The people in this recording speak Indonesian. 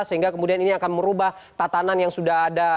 sehingga kemudian ini akan merubah tatanan yang sudah ada